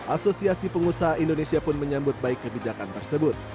asosiasi pengusaha indonesia pun menyambut baik kebijakan tersebut